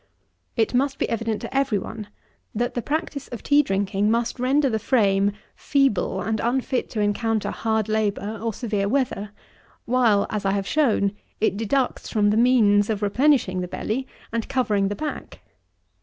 32. It must be evident to every one, that the practice of tea drinking must render the frame feeble and unfit to encounter hard labour or severe weather, while, as I have shown, it deducts from the means of replenishing the belly and covering the back.